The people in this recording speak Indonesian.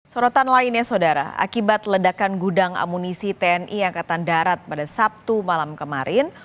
sorotan lainnya saudara akibat ledakan gudang amunisi tni angkatan darat pada sabtu malam kemarin